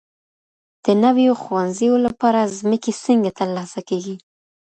د نویو ښوونځیو لپاره ځمکي څنګه ترلاسه کیږي؟